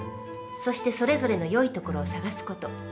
そしてそれぞれの良いところを探す事。